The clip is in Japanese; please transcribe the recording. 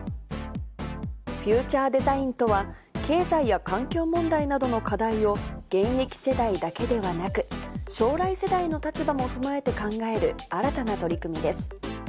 フューチャーデザインとは、経済や環境問題などの課題を、現役世代だけではなく、将来世代の立場も踏まえて考える新たな取り組みです。